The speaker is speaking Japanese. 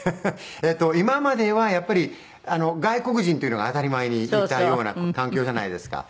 えっと今まではやっぱり外国人っていうのが当たり前にいたような環境じゃないですか。